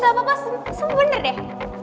gapapa semua bener deh